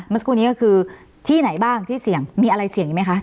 มาสกุลนี้ก็คือที่ไหนบ้างที่เสี่ยงมีอะไรเสี่ยงอย่างงี้ไหมคะ